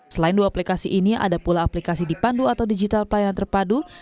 selain dua aplikasi ini ada pula aplikasi dipandu atau digital pelayanan terpadu